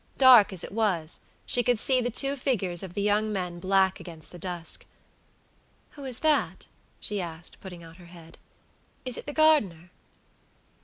Dark as it was, she could see the two figures of the young men black against the dusk. "Who is that?" she asked, putting out her head. "Is it the gardener?"